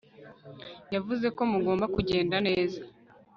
yavuze ko mugomba kugenda neza